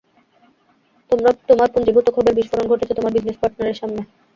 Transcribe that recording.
তোমার পুঞ্জীভূত ক্ষোভের বিস্ফোরণ ঘটেছে তোমার বিজনেস পার্টনারের সামনে!